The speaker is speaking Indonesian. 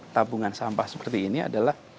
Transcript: tabungan sampah seperti ini adalah